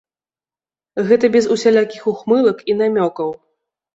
Гэта без усялякіх ухмылак і намёкаў.